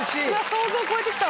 想像を超えてきた。